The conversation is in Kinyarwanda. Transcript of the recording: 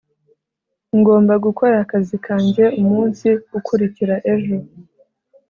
ngomba gukora akazi kanjye umunsi ukurikira ejo